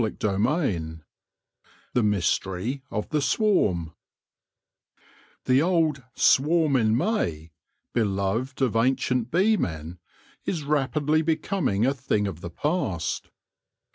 CHAPTER XI THE MYSTERY OF THE SWARM THE old " swarm in May," beloved of ancient beemen, is rapidly becoming a thing of the past.